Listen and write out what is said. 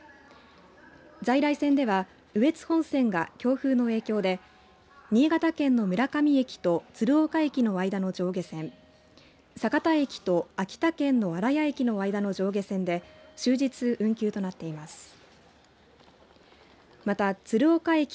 在来線では、羽越本線が強風の影響で新潟県の村上駅と鶴岡駅の間の上下線酒田駅と秋田県の新屋駅の間の上下線で終日、運休となっています。